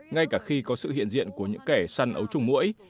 ngay cả khi có sự hiện diện của những kẻ săn ấu trùng mũi